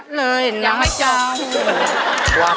เพลงนี้อยู่ในอาราบัมชุดแจ็คเลยนะครับ